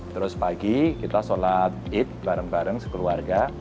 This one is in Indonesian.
terus pagi kita sholat id bareng bareng sekeluarga